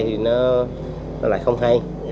thì nó lại không hay